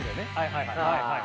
はいはいはいはい。